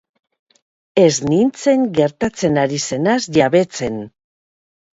Ez nintzen gertatzen ari zenaz jabetzen.